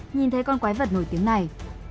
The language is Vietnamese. nhìn thấy con quái vật nổi tiếng này